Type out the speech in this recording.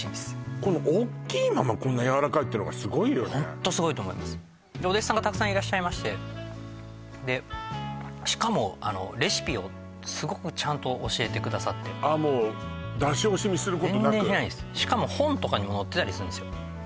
このおっきいままこんなやわらかいってのがすごいよねホントすごいと思いますでお弟子さんがたくさんいらっしゃいましてでしかもレシピをすごくちゃんと教えてくださってああもう出し惜しみすることなく全然しないんですしかも本とかにも載ってたりするんですよ